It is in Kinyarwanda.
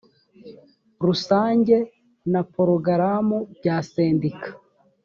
rusange na porogaramu bya sendika